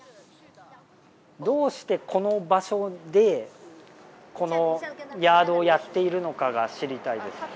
どうしてこの場所で、このヤードをやっているのかが知りたいです。